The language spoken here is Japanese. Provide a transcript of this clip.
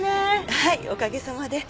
はいおかげさまで。